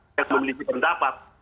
yang memiliki pendapat